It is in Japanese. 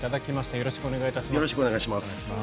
よろしくお願いします。